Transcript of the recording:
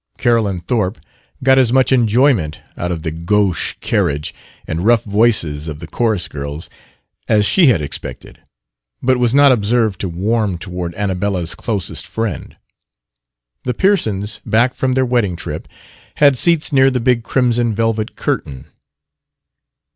Carolyn Thorpe got as much enjoyment out of the gauche carriage and rough voices of the "chorus girls" as she had expected, but was not observed to warm toward "Annabella's" closest friend. The Pearsons, back from their wedding trip, had seats near the big crimson velvet curtain.